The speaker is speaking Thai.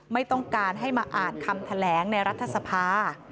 ไม่ต้องการให้มาอ่านคำแถลงในรัฐสภา